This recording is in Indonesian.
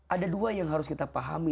ada dua yang harus kita pahami